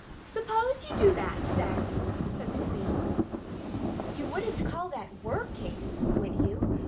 "Suppose you do that, then," said the Queen. "You wouldn't call that WORKING, would you?"